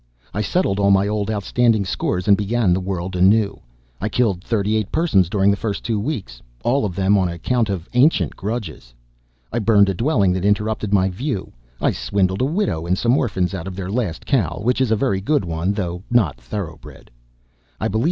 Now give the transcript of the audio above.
I settled all my old outstanding scores, and began the world anew. I killed thirty eight persons during the first two weeks all of them on account of ancient grudges. I burned a dwelling that interrupted my view. I swindled a widow and some orphans out of their last cow, which is a very good one, though not thoroughbred, I believe.